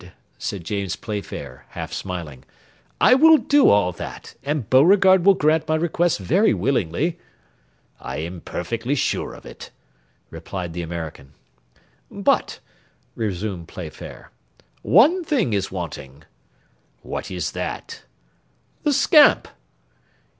said James Playfair, half smiling, "I will do all that, and Beauregard will grant my request very willingly." "I am perfectly sure of it," replied the American. "But," resumed Playfair, "one thing is wanting." "What is that?" "The scamp."